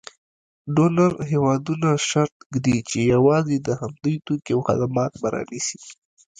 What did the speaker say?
ډونر هېوادونه شرط ږدي چې یوازې د همدوی توکي او خدمات به رانیسي.